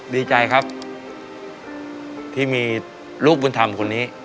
ดีใจครับที่มีลูกบุญธรรมคนนี้